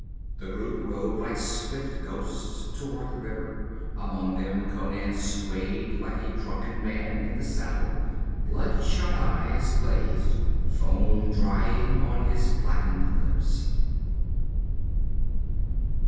The group rode like swift ghosts toward the river; among them Conan swayed like a drunken man in the saddle, bloodshot eyes glazed, foam drying on his blackened lips.